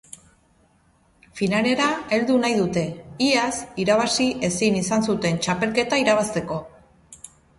Finalera heldu nahi dute, iaz irabazi ezin izan zuten txapelketa irabazteko.